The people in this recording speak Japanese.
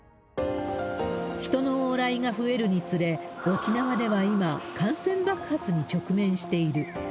人の往来が増えるにつれ、沖縄では今、感染爆発に直面している。